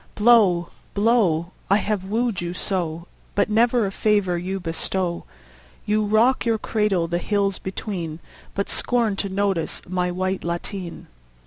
Blow, blow! I have wooed you so, But never a favour you bestow. You rock your cradle the hills between, But scorn to notice my white lateen.